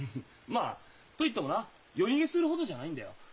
まあと言ってもな夜逃げするほどじゃないんだよ。